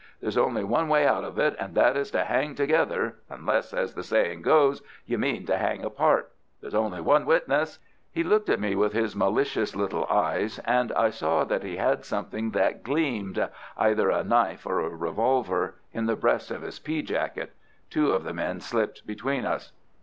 There's only one way out of it, and that is to hang together, unless, as the saying goes, you mean to hang apart. There's only one witness——" He looked at me with his malicious little eyes, and I saw that he had something that gleamed—either a knife or a revolver—in the breast of his pea jacket. Two of the men slipped between us.